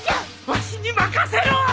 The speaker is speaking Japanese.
わしに任せろー！